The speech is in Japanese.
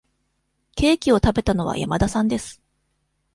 ケーキを食べたのは山田さんです。